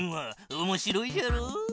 おもしろいじゃろう？